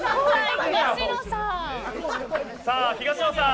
東野さん